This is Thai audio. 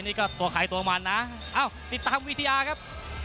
นี่ก็ตัวใครตัวมันนะเอ้าติดตามวิทยาครับ